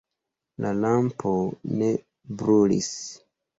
La lampo ne brulis.